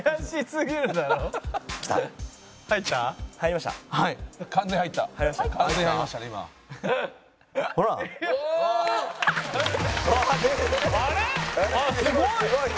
すごい！